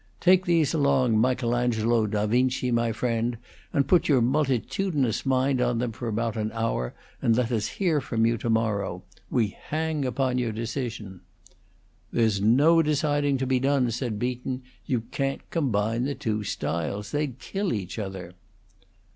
"Take these along, Michelangelo Da Vinci, my friend, and put your multitudinous mind on them for about an hour, and let us hear from you to morrow. We hang upon your decision." "There's no deciding to be done," said Beaton. "You can't combine the two styles. They'd kill each other."